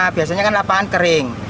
biasanya kan lapangan kering